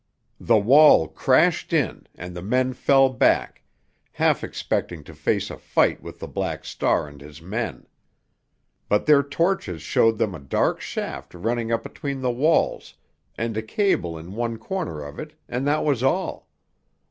The wall crashed in, and the men fell back, half expecting to face a fight with the Black Star and his men. But their torches showed them a dark shaft running up between the walls and a cable in one corner of it, and that was all.